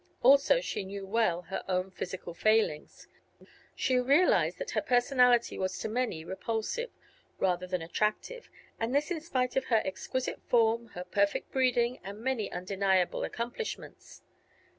Also she knew well her own physical failings. She realized that her personality was to many repulsive, rather than attractive, and this in spite of her exquisite form, her perfect breeding and many undeniable accomplishments.